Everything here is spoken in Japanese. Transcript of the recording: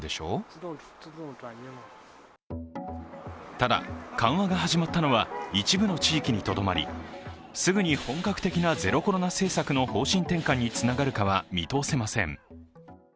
ただ、緩和が始まったのは一部の地域にとどまり、すぐに本格的なゼロコロナ政策の方針転換につながるかは見通せません。